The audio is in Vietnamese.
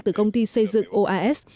từ công ty xây dựng oas